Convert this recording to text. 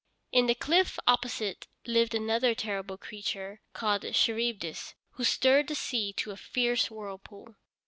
In the cliff opposite lived another terrible creature called Charybdis who stirred the sea to a fierce whirlpool.